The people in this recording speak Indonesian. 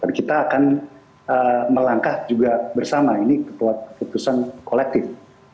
kita akan melangkah juga bersama ini keputusan kolektif